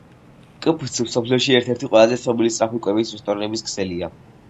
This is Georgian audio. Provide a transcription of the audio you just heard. კფც მსოფლიოში ერთ-ერთი ყველაზე ცნობილი სწრაფი კვების რესტორნების ქსელია